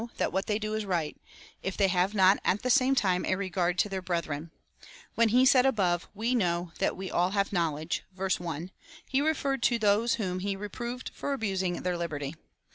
VIII. 7. FIRST EPISTLE TO THE CORINTHIANS. 279 that what they do is riglit, if they have not at the same time a regard to their brethren. When he said above — We know that we all have knowledge, (verse 1,) he referred to those whom he reproved for abusing their liberty.